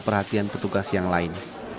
perhatian petugas yang lain